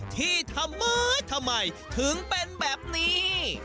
ที่ทำไมทำไมถึงเป็นแบบนี้